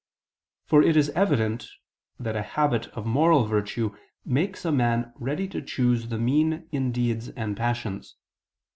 For it is evident that a habit of moral virtue makes a man ready to choose the mean in deeds and passions.